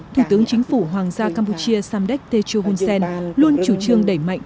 thủ tướng chính phủ hoàng gia campuchia samdek techo hunsen luôn chủ trương đẩy mạnh